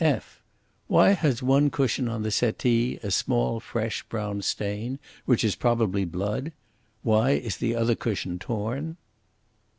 (f) Why has one cushion on the settee a small, fresh, brown stain, which is probably blood? Why is the other cushion torn?